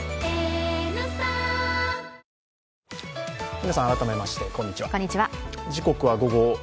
皆さん、改めましてこんにちは。